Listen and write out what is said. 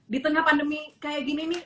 di tengah pandemi kayak gini nih